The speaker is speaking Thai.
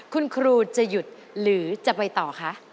คุณครูจะหยุดหรือจะไปต่อคะ